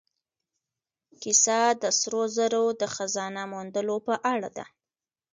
کیسه د سرو زرو د خزانه موندلو په اړه ده.